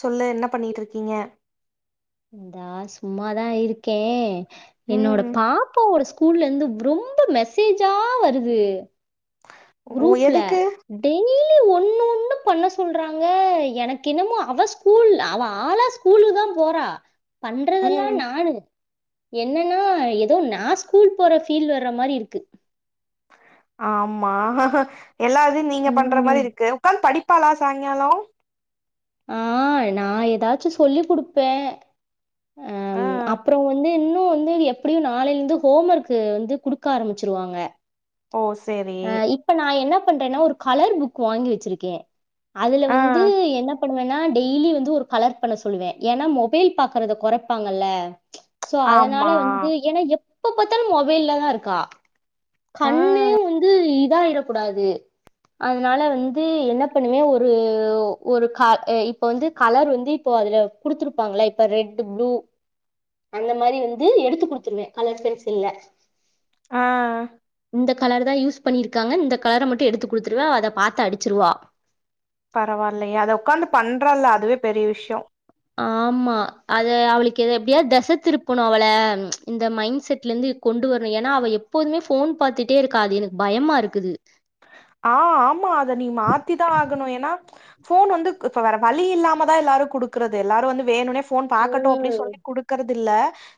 சொல்லு என்ன பண்ணியிட்டுருக்கீங்க தா சும்மாதா இருக்கே என்னோட ம் பாப்பாவோட ஸ்கூல்லிந்து ப் ரொம்ப மெசேஜா வருது ஓ குரூப்ல எதுக்கு டெனி ப்டி ஒன்னு ஒன்னோ பண்ண சொல்றாங்க எனக்கென்னமோ அவ ஸ்கூல் அவ ஆளா ஸ்கூலுக்குதா போறா பண்றதெல்லா ம் நானு என்னெனா ஏதோ நா ஸ்கூல் போற ஃபீல் வர மாரி இருக்கு ஆமா எல்லாதியு நீங்க பண்ற ம் மாதி இருக்கு உக்காந்து படி பாலா சாயிங்காலோ ஆ நா ஏதாச்சு சொல்லி குடுப்பே ஆம் ஆ அப்புற வந்து இன் து வந்து இது எப்பிடியு நாளைலந்து ஹோம் ஒர்க்கு வந்து குடுக்க ஆரம்மிச்சிருவாங்க ஓ சேரி ஆ இப்ப நா என்ன பண்றேனா ஒரு கலர் புக் வாங்கி வெச்சிருக்கே அதுல ஆ வந்து என்ன பண்ணுவேனா டெய்லி வந்து ஒரு கலர் பண்ண சொல்லுவே ஏனா மொபைல் பாக்குறத கொறைப்பாங்கல்லே ச்ச சோ அதனால ஆமா வந்து ஏனா எப் போ பாத்தாலு மொபைல்லதா இருக்கா ஆ கண்ணுயு வந்து இத்தாயிரக் கூடாது அதனால வந்து என்ன பண்ணுவே ஒரு ஒ ஒரு கால் எ இப்ப வந்து கலர் வந்து இப்போ அதுல குடுத்துருப்பாங்கள இப்ப ரெட் ப்ளூ அந்த மாரி வந்து எடுத்து குடுத்துருவே கலர் பென்சில்லா ஆ இந்த கலருதா யூஸ் பண்ணி இருக்காங்கன் இந்த கலர மட்டு எடுத்து கொடுத்துருவே அத பாத்த அடிச்சிருவா பரவாலியே அத உக்காந்து பண்றால அதுவே பெரிய விஷ்யோ ஆமா அத அவளுக்கு இத எப்டியாது தச திருப்புணு அவள ம் ச்ச இந்த மைண்ட் செட்லந்து கொண்டு வரணு ஏனா அவ எப்போதுமே ஃபோன் பாத்துட்டே இருக்கா அது எனக் பயமா இருக்குது ஆ ஆமா அத நீ மாத்திதா ஆகணு ஏனா ஃபோன் வந்துக் இப் வேற வழி இல்லாமதா எல்லாரு குடுக்கிறது எல்லாரு வந்து வேணுனே ஃபோன் பாக்கட்டோ அப்டி ம். சொல்லி குடுகறது தில்ல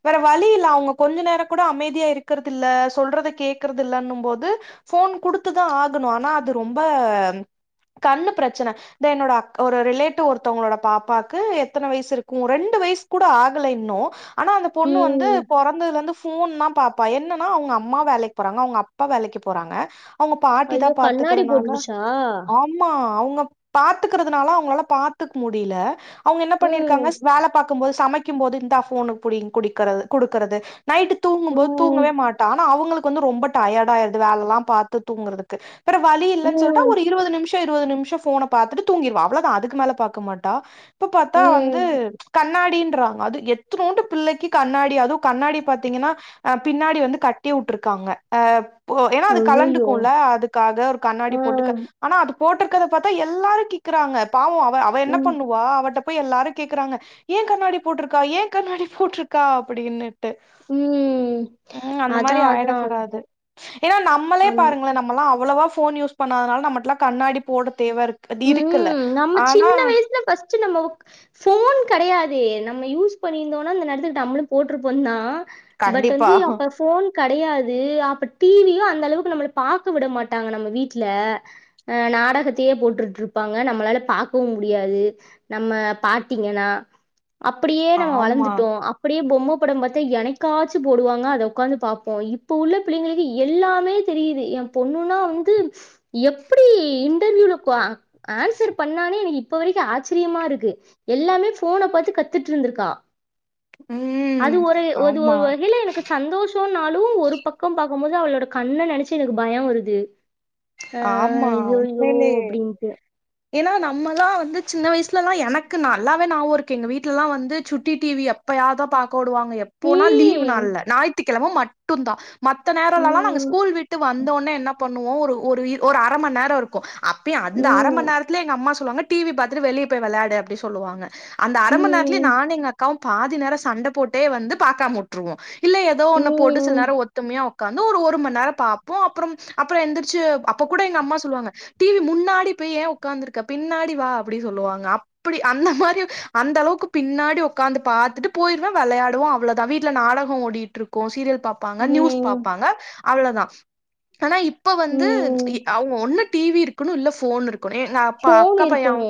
வேற வழி இல்ல அவுங்க கொஞ்ச நேரோ கூட அமைதியா இருக்கறது இல்ல சொல்றத கேக்குறது இல்லனும் போது ஃபோன் குடுத்துதா ஆ ங்குனோ ஆனா அது ரொம்ப அம் கண்ணு பிரச்சன த என்னோட அக் ஒரு ரிலேட்டிவ் ஒருத்தௌகளோட பாப்பாக்கு எத்தன வயசு இருக்கு ரெண்டு வயசு கூட ஆகல இன்னு ஆனா அந்த பொண்ணு வந்து ம். பொறந்ததுலந்து ஃபோன்னா பாப்பா என்னெனா அவுங்க அம்மா வேலைக்கு போறாங்க அவுங்க அப்பா வேலைக்கு போறாங்க அவுங்க பாட் ஐயோ கண்ணாடி போட்டுருச்சா? பாத்துக்கறதுனால அவங்களால பாத்துக் முடில அவுங்க என்ன ம். பண்ணீர்க்காங்க வேல பாக்கும் போது சமைக் குடிக்கும்போது இந்தா ஃபோன புடி குடிக்கிறது குடுக்கறது நைட்டு தூங்கும் போத் ம். தூங்கவே மாட்டா ஆனா அவுங்களுக் கு வந்து ரொம்ப டயர்ட் ஆயிருது வேலல்லா பாத்து தூங்குறதுக் கு வேற வழி இல்லன்னு சொல்லட்ட ம். ஒரு இருவதுநிம்ஷோ இருவது நிம் ஷோ ஃபோன பாத்துட்டு தூங்கிருவா அவ்ளோதா அதுக்குமேல பாக்க மாட்டா இப்ப பாத்தா வந்து ம். கண்ணாடின் றாங்க எத்துனூண்டு பிள்ளைக்கு கண்ணாடி அதூ கண்ணாடி பாத்தீங்கன்னா அஹ் பின்னாடி வந்து கட்டி வுட்ருக்காங்க அஹ் ஓ ஏன்னா அது ஐயய்யோ! கலண்டுக்கூல அது க்காக ஒரு கண்ணாடி ஆ. போட்டுக்க ஆனா அது போட்டுருக்கத பாத்தா எல்லாரும் கேக்குறாங்க பாவோம் அப்போ அவ அவ என்ன ம். பண்ணுவா அவட்ட இப்ப எல்லாரும் கேக்குறாங்க ஏ கண்ணாடி போட்ருக்கா? ஏ கண்ணாடி போட்ருக்கா? அப்பிடீனு ட்டு ம். உம் அந்த மாதிரி அதான், ஆயிடக் அதான். கூடாது ஏன்னா நம்மளே அந் பாருங்களே நம்மல்லா அவ் அவ்வளவா ஃபோன் யூஸ் பண்ணாதனால நம்மயெல்லாம் கண்ணாடி போடு உம் நம்ம சின்ன வய்சுல ஃபர்ஸ்ட்டு நம்ம போன் கெடையாதே நம்ம யூஸ் பண்ணியிருந்தோனா அந்த நேரத்துக்கு நம்முளும் போட்ருப்போம்தா பட் கண்டிப்பா வந்து அப்ப ஃபோன் கெடையாது. அப்ப டிவியும் அந்தளவுக்கு நம்மள பாக்க விட மாட்டாங்க நம்ம வீட்டுல ஹ நாடகத்தையே போட்ரு இருப்பாங்க நம்மளால பாக்கவும் முடியாது நம்ம பாத்தீங்கன்னா அப்படியே நம்ம ஆமா வளர்ந்துட்டோம் அப்படியே போ பொம்ம படம் பாத்தா எனைக்காச்சும் போடுவாங்க. அத உக்காந்து பாப்போம் இப்ப உள்ள பிள்ளைங்களுக்கு எல்லாமே தெரியுது எம் பொண்ணுனா வந்து எப்பிடி [unintelligible] ஆன்சர் பண்ணாளே எனக்கு இப்ப வரைக்கு ஆச்சிரியமா இருக்கு. எல்லாமே ஃபோன பாத்து கத்துட்டிருந்திருக்கா. ம் அது ஒரு ஒரு ஆமா ஒரு வகையில எனக்கு சந்தோஷ் சொன்னாலும் ஒரு பக்கோம் பாக்கும்போது அவளோட கண்ணெ நெனைச்சு எனக்கு பயம்வருது. அஹ் ஆமா ஐயய்யோ அப்டின்ட்டு ஏனா நம்மெல்லாம் வந்து சின்ன வயசுல எலாம் எனக்கு நல்லாவே ஞாபகம் இருக்கு. எங்க வீட்டுல எல்லாம் வந்து சுட்டி டிவி எப்பயாதும் பாக் போடுவாங்க எப்போனா லீவ் ம். நாள்ள ஞாயித்து கிழமை மட்டும் தான் மத்த நேரோலல்லா நாங்க ம். ஸ்கூல் விட்டு வந்தோனே என்ன பண் நூறு ஒரு ஒரு அரை மணி நேரம் இருக்கும் அப்பயே அந்த அரை ம். மணி நேரத்துல எங்க அம்மா சொல்லுவாங்க டிவி பாத்துட்டு வெளிய போய் விளையாடு அப்டி சொல்லுவாங்க அந்த அரை மணி நேரத்துல ம். நானு எங்க அக்காவும் பாதி நேரம் சண்ட போட்டே வந்து பாக்காம வுட்டுருவோம் இல்ல ஏதோ ஒண்ணே போட்டு சில ம். நேரம் ஒத்துமையா உக்காந்து ஒரு ஒரு மணி நேரம் பாப்போம் அப்புறம் அப்புறம் எந்திருச்சு அப்ப கூட எங்க அம்மா சொல்லுவாங்க டிவி முன்னாடி போய் ஏ உக்காந்து இருக்க பின்னாடி வா அப்படி சொல்லுவாங்க அந்த மாதிரி அந்தளவுக்கு பின்னாடி உக்காந்து பாத்துட்டு போயிருவோ விளையாடுவோம் அவ்ளோதா வீட்டுல நாடகம் ஓடிட்டு இருக்கும் சீரியல் பாப்பாங்க ம். நியூஸ் ம். பாப்பாங்க அவ்வளதான் ஆனா இப் இப்ப வந்து ம் அவங்க ஒன்னும் டிவி இருக்கணு இல்லே போன் இருக்கு ஒரே அப்பா ஃபோன் அக்கா பையன் இருக்கணு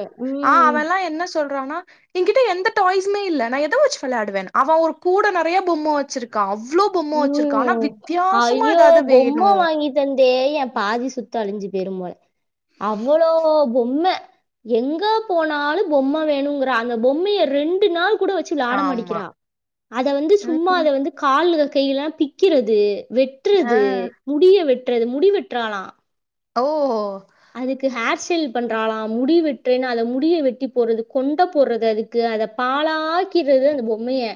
ஆ ம் அவெல்லாம் என்ன சொல்றானா என்கிட்ட எந்த டாய்ஸ்மே இல்ல நா எத வச்சு விளையாடுவேனு அவன் ஒரு கூட நிறைய பொம்மை வச்சிருக்கா அவ இவ்ளோ பொம்மை வச்சிருக்கா ஆனா ம் வித்தியாசமா ஏதாது வேணும் தே என் பாதி சுத்தம் அழிஞ்சு போயிரும் போல அவ்ளோ பொம்ம எங்க போனாலும் பொம்ம வேணுங்கிறா அந்த பொம்மய ரெண்டு நாள் கூட வச்சு விலாட ஆமா மாட்டிக்கிறா அத வந்து சும்மா அத ம் வந்து கால் கையெலாம் பிக்கிறது ஆ வெட்றது முடிய வெட் முடி வெற்றாளாம் ஓ அதுக்கு ஹேர் செல் பண்றாளாம் முடி வெட்டுறேன்னா அத முடிய வெட்டி போடுறது கொண்ட போடுறது அதுக்கு அத பாலாக்கிறது அந்த பொம்மைய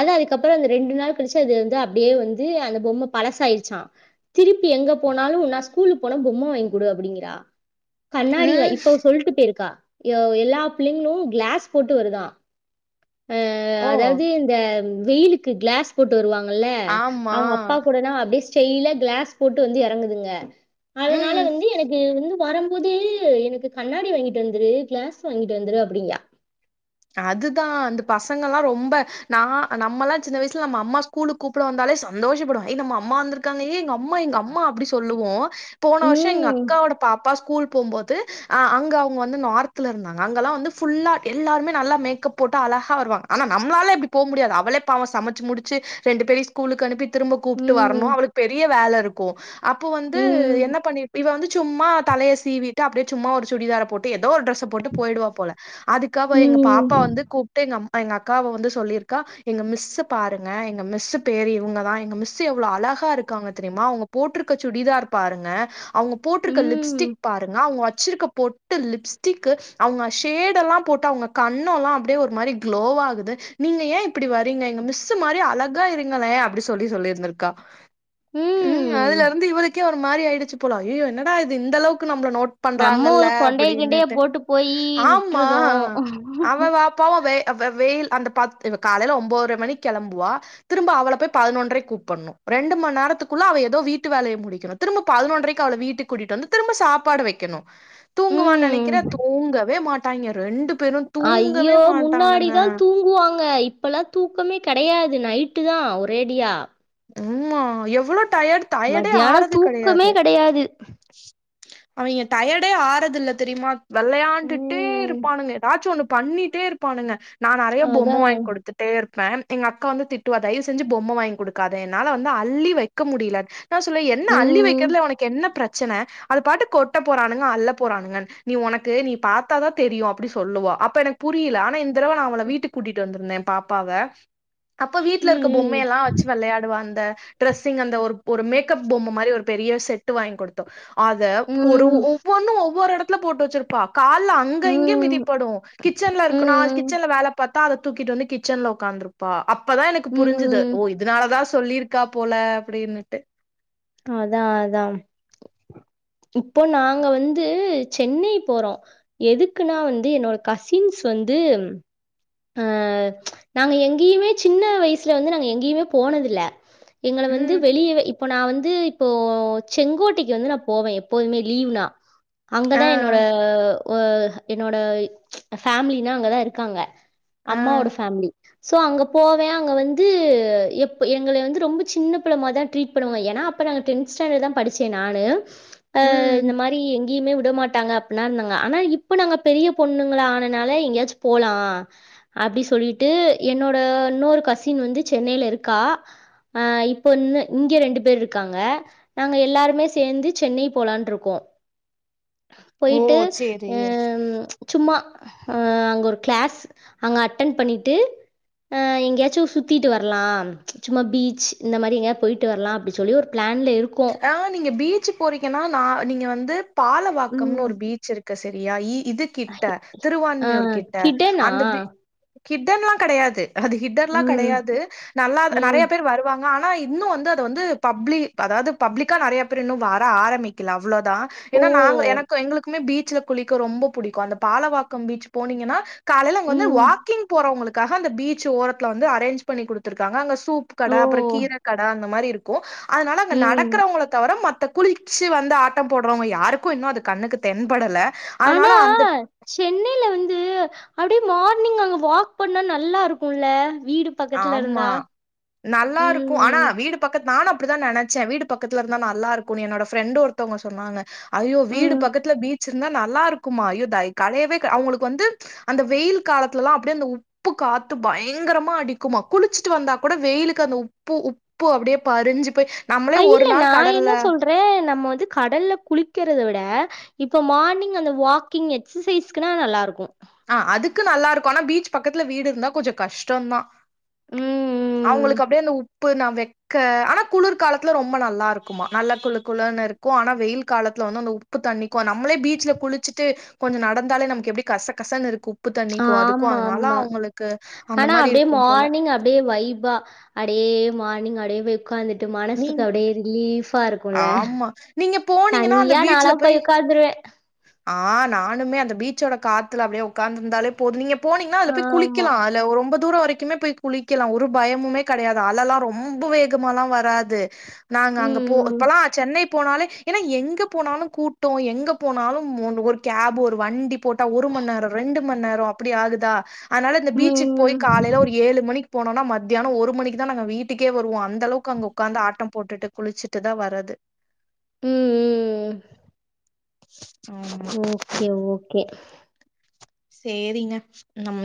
அத அதுக்கப்பறம் அந்த ரெண்டு நாள் கழிச்சு அது வந்து அப்படியே வந்து அந்த பொம்மை பழசாயிடுச்சா திருப்பி எங்க போனாலும் நா ஸ்கூலு போனா பொம்ம வாங்கி கொடு அப்படிங்கிறா கண்ணாடிவ ம் இப்ப சொல்ட்டு போயிருக்கா எல்லா பிள்ளைங்களும் கிளாஸ் போட்டு வருதா ஓ அதாவது இந்த வெயிலுக்கு கிளாஸ் போட்டு வருவாங் கள ஆமா அவங்க அப்பா கூடனா அப்டி செய்லா கிளாஸ் போட்டு வந்து இறங்குதுங்க அதனால ம் வந்து எனக்கு வந்து வரும் போது எனக்கு கண்ணாடி வாங்கிட்டு வந்துரு கிளாஸ் வாங்கிட்டு வந்துரு அப்படிங்கா அதுதா அந்த பசங்க எல்லாம் ரொம்ப நா நம்மல்லா சின்ன வயசுல நம்ம அம்மா ஸ்கூலுக்கு கூப்பிட வந்தாலே சந்தோஷப்படுவோ ஏய் நம்ம அம்மா வந்திருக்காங்க ஏய் எங்க அம்மா எங்க அம்மா அப்டி சொல்லுவோ போன வருஷம் எங்க ம் அக்காவோட பாப்பா ஸ்கூல் போகும்போது அங்க அவங்க வந்து நார்த்ல இருந்தாங்க அங்கெல்லாம் வந்து புல்லா எல்லாருமே நல்லா மேக்கப் போட்டு அழகா வருவாங்க ஆனா நம்ளால அப்படி போக முடியாது அவளே பாவம் சமைச்சு முடிச்சு ரெண்டு பேரயும் ஸ்கூலுக்கு அனுப்பிட்டு திரும்ப கூப்ட்டு ம் வரணும் அவளுக்கு பெரிய வேல இருக்கும் அப்போ வந்து ம் என்ன பண்ணி இவ வந்து சும்மா தலையை சீவிட்டு அப்படியே சும்மா ஒரு சுடிதாரை போட்டு எ எதோ ஒரு டிரெஸ்ஸ போட்டு போயிடுவா போல அதுக்கு அவ எங்க பாப்பா ம் வந்து கூப்ட்டு எங்க அம் எங்க அக்காவை வந்து சொல்லியிருக்கா எங்க மிஸ்ஸு பாருங்க எங்க மிஸ் பேரு இவங்கதான் எங்க மிஸ்எவ்வளவு அழகா இருக்காங்க தெரியுமா அவங்க போட்டிருக்க சுடிதார் பாருங்க அவங்க போட்டுருக்க ம் லிப்ஸ்டிக் பாருங்க அவங்க வச்சிருக்க பொட்டு லிப்ஸ்டிக் அவங்க ஷேட் எல்லாம் போட்டு அவங்க கண்ணம் எல்லாம் அப்படியே ஒரு மாதிரி க்ளோவ் ஆகுது நீங்க ஏன் இப்படி வரீங்க எங்க மிஸ் மாதிரி அழகா இருங்களேன் அப்டி சொல்லி சொல்லிருந்திருக்கா உம் ம் அதுல இருந்து இவ்ளுக்கே மாறி ஆயிடுச்சு போலா ஐயோ என்னடா இது இந்த அளவுக்கு நாம் நம்ம ஒரு கொண்டை கிண்டைய போட்டு போயி ஆமா விட்டுருதோம் அவ வாப்பா வே வேயில் அந்த பத் இவ காலையில ஒன்பரை மணி கிளம்புவா திரும்ப அவள போய் பதினொன்றரைக்கு கூப்பிடனும் ரெண்டு மணி நேரத்துக்குள்ள அவ ஏதோ வீட்டு வேலைய முடிக்கணும் திரும்ப பதினொன்றரைக்கு அவள வீட்டுக்கு கூட்டிட்டு வரணும் திரும்ப சாப்பாடு வைக்கணும் தூங்குவான்னு ம் நினைக்கிறேன் தூங்கவே மாட்ட ட்டாங்க ரெண்டு பேரும் தூங்கவே ஐயோ மாட்டானுங்க முன்னாடிதான் தூங்குவாங்க இப்பல்லாம் தூக்கமே கிடையாது அது நைட்டு தான் ஒரேடியா உமா எவ்வளோ மத்தியானம் தூக்கமே கிடையாது அவிங்க டயர்டே ஆறத இல்ல தெரியுமா விளையாண்டுட்டே ம் இருப்பானுங்க தாச்சு ஒண்ணு பண்ணிட்டே இருப்பானுங்க நான் நிறைய பொம்மை அதான் வாங்கி கொடுத்துட்டே இருப் பன் எங்க அக்கா வந்து திட்டுவா தயவு செஞ்சு பொம்மை வாங்கி கொடு க்காத என்னால வந்து அள்ளி வைக்க முடியல நான் சொல்ல என்ன அள்ளி ம் வைக்கிறதுல உனக்கு என்ன பிரச்ச ச்சனை அது பாட்டு கொட்ட போறானுங்க அள்ள போறானுங்க நீ உனக்கு நீ பாத்தாதான் தெரியும் அப்டி சொல்லுவோ அப்ப எனக்கு புரியல ஆனா இந்த த தடவ அவள வீட்டுக்கு கூட்டிட்டு வந்துருந்தேன் பாப்பாவ அப்ப வீட்டு்ல இருக்க ம் பொம்மைையெல்லாம் [inaudible] அந்த ட்ரெஸ்ஸிங் அந்த ஒரு ஒரு மேக்கப் பொம்மை மாரி ஒரு பெரிய செட்டு வாங்கி கொடுத்தோ அத ஒரு ம் ஒவ்வொன்னு ஒவ்வொரு இடத்த ட்ல போட்டு வச்சிருப்பா கால்ல அங்க ம் இங்க ம் மிதிப்படும் கிச்சன்ல இருக்கு நான் ம், கிச்சன்ல வேலை பாத்து அத தூக்கிட்டு வந்து கிச்சன்ல உக்காந்துருப்பா அப் அப்பதான் எனக்கு புரிஞ்சுது ம். ஓ இது ததா சொல்லியிருக்கா போல அப்படின்னுட்டு அதா அதான் இப்போ நாங்க வந்து சென்னை போறோ எதுக்குன்னா வந்து என்னோட கசின்ஸ் வந்து அஹ் நாங்க எங்கேயுமே சின்ன வயசுல வந்து நாங்க எங்கேயுமே போனது இல்ல எங்கள வந்து ம் வெளியவே இப்போ நான் வந்து இப்போ செங்கோட்டைக்கு வந்து நான் போவேன் எப் எப்போதுமே லீவ்னா ஆ அங்கதா என்னோட ஆ என்னோட ஃபேமிலினா அங்கதா இருக்காங்க ஆ அம்மாவோட ஃபேமிலி சோ அங்க போவே அங்க வந்து எப் எங்களை வந்து ரொம்ப சின்ன பிள்ள மாரிதா ட்ரீட் பண்ணுவாங்க ஏன்னா அப்ப நாங்க டென்த் ஸ்டாண்டர்ட் தான் படிச்சே நானு ஆஹ் இந்த ம் மாரி எங்க எங்கயுமே விட மாட்டாங்க அப்டினா இருந்தாங்க ஆனா இப்ப நாங்க பெரிய பொண்ணுங்கலா ஆனனால எங்கேயாச்சு போலா அப்டி சொல்லிட்டு என்னோட இன்னொரு கசின் வந்து சென்னையில இருக்கா அஹ் இப்ப இன்ன இங்க ரெண்டு பேர் இருக்காங்க நாங்க எல்லாருமே சேந்து சென்னை போலான்ருக்கோ ஓ போயிட்டு சேரி ஹ்ம் சும்மா அ அங்க ஒரு கிளாஸ் அங்க அட்டன் பண்ணிட்டு அ எங்கேயாச்சு சுத்திட்டு வரலா சும்மா பீச் இந்த மாரி எங்கயா போயிட்டு வரலா அப்டி சொல்லி ஒரு பிளான்ல இருக் ஆஹ் நீங்க பீச் ச் போறீங்கன்னா நா நீங்க வந்து பாலவாக்கம்னு ம். ஒரு பீச் இருக்கு ச சரியா இ இது கிட்ட ஆ திருவான்மியூர் கிட்ட ஹிடனா? அந்த பீ ஹிட்டன்லா கிடையாது அது ஹிட்டன்லா ம். கிடையாது நல்லா ம். நெறைய பேர் வருவாங்க ஆனா இன்னு வந்து அத வந்து பப்ளி அதாவது பப்ளிக்கா நிறைய பேர் இன்னு வர ஆரம்பிக்கலாம் அவ்ளோதா ஓ! ஏன்னா நாங்க எனக்கு எங்களுக்குமே பீ ச்ல குளிக்க ரொம்ப பிடிக்கும் அந்த பாலவாக்கம் பீச் போனீங்கன்னா காலைல அங்க வந்து ம். வாக்கிங் போறவங்களுக்கு காக அந்த பீச் ஓரத்துல வந்து அரேஞ் பண்ணி குடுத்திருக்காங்க அங்க சூ சூப்பு ஓ! கடை அப்புற கீரை கடை அந்த மாரி இரு ஓ அதனால அங்க நட ம். க்கறவங்கள தவிர மத்த குளிச்சு வந்து ஆட்டம் போடுறவங்க யாருக்கும் இன்னும் அது கண்ணுக்கு தென்படலை ஆனா சென்னனைில வந்து அ அப்படி மார்னிங் அங்க வாக் பண்ணா நல்லா இருக்கும்ல வீடு பக்கத்துல இருந்தா. ஆமா நல்லா இருக்கும் ஆனா ம். வீடு பக்கத்து நானும் அப்படித்தான் நினைச்சேன் வீடு பக்கத்துல இருந்தா நல்லா இருக்கும்னு என்னோட ஃப்ரண்ட் ஒருத்தவங்க சொன்னாங்க ஐயோ வீடு ம். பக்கத்துல பீச் இருந்தா நல்லா இருக்குமா கலையவே அவங்களுக்கு வந்து அந்த வெயில் காலத்துலல்லாம் அப்படிய அந்த உப்பு காத்து பயங்கரமா அடிக்கும் குமா குளிச்சுட்டு வந்தா கூட வெயிலுக்கு அந்த உப்பு உப்பு அப்படியே பறிஞ்சு போய் நம்மளே அ் ஒரு இல்ல நாள் நான் கடல்ல என்ன சொல்றேன் நம்ம கடல்ல குளிக்கிறதை விட இப்ப மார்னிங் அந்த வாக்கிங் எக்சசைஸ்குனா நல்லா இருக்கும் ஆஹ் அதுக்கு நல்லா இருக்கும் ஆனா பீச் பக்கத்துல வீடு இருந்தா கொஞ்சம் கஷ்டம்தான் ம். அவங்களுக்கு அப்படியே அந்த உப்பு நான் ட்க ஆனா குளிர்காலத்துல ரொம்ப நல்லா இருக்குமா நல்ல குளு குளுன்னு இருக்கும் ஆனா வெயில் காலத்துல வந்து அந்த உப்பு தண்ணிக்கும் நம்மளே பீச்ல குளிச்சுட்டு கொஞ்சம் நடந்தாலே நமக்கு எப்படி கசக்கசன்னு இருக்கு உப்பு தண்ணிக்கு அதுக்கு ஆமா அதனால ஆமா அவுங்களுக்கு அந்த ஆனா மாரி அப்டியே இருக்கும் போல மார்னிங் அப்டியே வை வா அடே மார்னிங் அடே வை உட்காந்துட்டு நீங் மனசுக்கு அப்படியே ரீலீஃபா இருக்கு ஆமா நீங்க போனீங்கன்னா அந்த நாலா பீச்சல போய் உக்காந்துருவே ஆ நான் இன்னுமே அந்த பீச்சோட காத்துல அப்படியே உட்காத்துருந்தாலே போது நீங்க போனீங்கனா அதுல போய் ஆமா குளிக்கலாம் ரொம்ப தூரம் வரைக்கும் வைக்குமே போய் குளிக்கலாம் ஒரு பயமுமே கிடையாது அலலெல்லாம் ரொம்ப வேகமா எல்லாம் வராது நாங்க அங்க போ ம் சென்னை போனாலே ஏன்னா எங்க போனாலும் கூட்டம் எங்க போனாலும் ஒரு கேப் ஒரு வண்டி போட்டா ஒரு மணி நேரம் ரெண்டு மணி நேரம் அப்படி ஆகுது த அதனால இந்த ம் பீச்சுக்கு போய் ம் காலைல ஒரு ஏழு மணி போனோனா மத்தியானம் ஒரு மணிக்கு தான் நாங்க வீட்டுக்கே வருவோம் அந்த அந்த அளவுக்கு அங்க உக்காந்து ஆட்டம் போட்டுட்டு குளிச்சிட்டுதான் வ வரது உஹம் உம் ஆமா ஓகே ஓகே சேரிங்க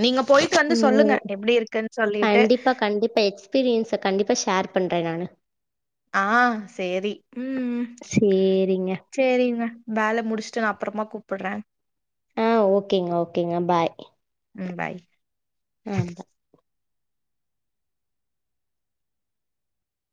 நீங்க போயிட்டு வந்து சொல்லுங்க உஹம் எப்டி இருக்குன் சொல்லிட்டு கண்டிப்பா கண்டிப்பா எக்ஸ்பீரியன்ஸ கண்டிப்பா ஷேர் பண்றேன் நானு ஆஹ் சேரி உம் சேரிங்க சரிங்க வேலை முடிச்சு நான் அப்புறமா கூப்பிடுறேன் ஆஹ் ஓகேங்க ஓகேங்க பாய். ம் பாய் வேண்டா